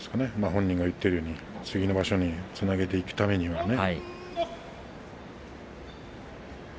本人が言っているように次の場所につなげていくためにはですね。